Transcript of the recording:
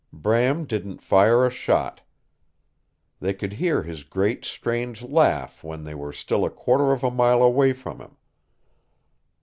Bram didn't fire a shot. They could hear his great, strange laugh when they were still a quarter of a mile away from him.